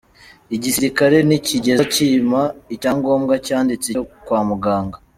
Igisirikare nticyigeze cyimpa icyangombwa cyanditse cyo kwa muganga.